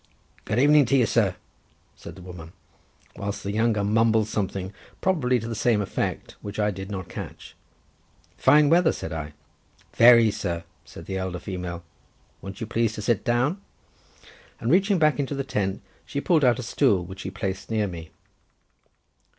"Good evening to you, sir," said the woman; whilst the younger mumbled something, probably to the same effect, but which I did not catch. "Fine weather," said I. "Very, sir," said the elder female. "Won't you please to sit down?" and reaching back into the tent, she pulled out a stool which she placed near me.